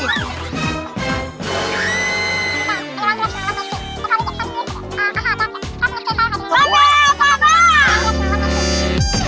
โอ้แมว